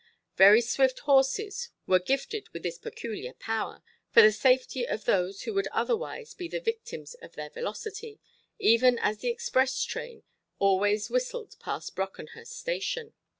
Very swift horses were gifted with this peculiar power, for the safety of those who would otherwise be the victims of their velocity, even as the express train always whistled past Brockenhurst station.